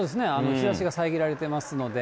日ざしが遮られてますので。